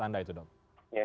bagaimana menurut anda